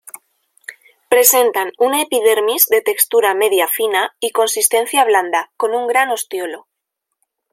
Presentan una epidermis de textura media fina y consistencia blanda, con un gran ostiolo.